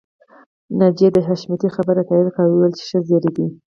ناجيې د حشمتي خبره تاييد کړه او وويل چې ښه زيری دی